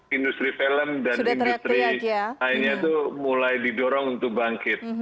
karena industri film dan industri airnya itu mulai didorong untuk bangkit